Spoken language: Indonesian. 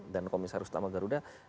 dan komisar ustama garuda